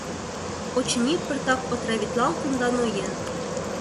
Очыни, пыртак отравитлалтын да ноен.